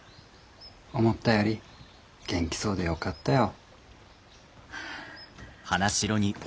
思ったより元気そうでよかったよ。